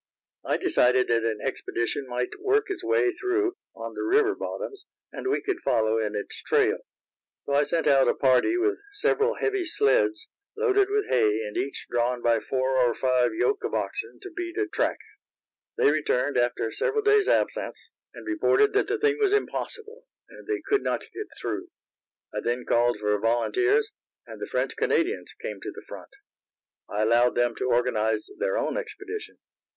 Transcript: I decided that an expedition might work its way through on the river bottoms, and we could follow in its trail. So I sent out a party with several heavy sleds, loaded with hay, and each drawn by four or five yoke of oxen to beat a track. They returned after several days' absence, and reported that the thing was impossible, and they could not get through. I then called for volunteers, and the French Canadians came to the front. I allowed them to organize their own expedition.